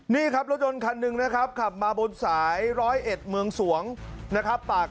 นี่ครับรถยนต์คันหนึ่งนะครับขับมาบนสายร้อยเอ็ดเมืองสวงนะครับ